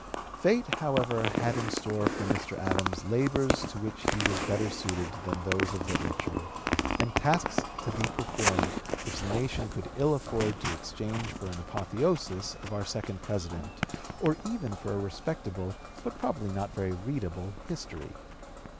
Fate, however, had in store for Mr. Adams labors to which he was better suited than those of literature, and tasks to be performed which the nation could ill afford to exchange for an apotheosis of our second President, or even for a respectable but probably not very readable history.